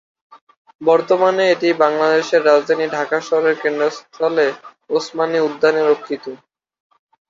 বর্তমানে এটি বাংলাদেশের রাজধানী ঢাকা শহরের কেন্দ্রস্থলে ওসমানী উদ্যানে রক্ষিত।